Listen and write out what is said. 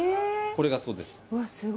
これがそうです。